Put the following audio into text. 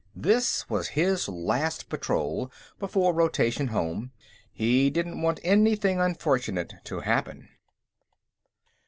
This was his last patrol before rotation home. He didn't want anything unfortunate to happen.